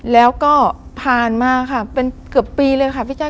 แล้วก็ผ่านมาค่ะเป็นเกือบปีเลยค่ะพี่แจ๊